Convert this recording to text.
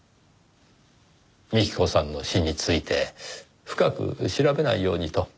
幹子さんの死について深く調べないようにと。